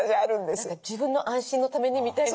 何か自分の安心のためにみたいな。